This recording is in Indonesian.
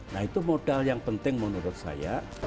nah itu modal yang penting menurut saya